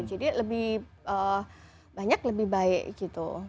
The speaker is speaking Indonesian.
jadi lebih banyak lebih baik gitu